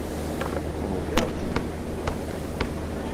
Ufiɣ-tt-id!